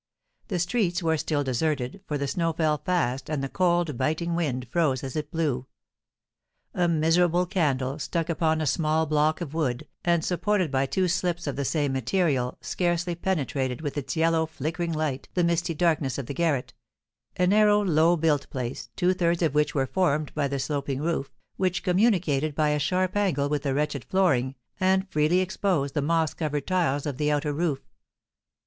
The streets were still deserted, for the snow fell fast, and the cold, biting wind froze as it blew. A miserable candle, stuck upon a small block of wood, and supported by two slips of the same material, scarcely penetrated with its yellow, flickering light the misty darkness of the garret, a narrow, low built place, two thirds of which was formed by the sloping roof, which communicated by a sharp angle with the wretched flooring, and freely exposed the moss covered tiles of the outer roof.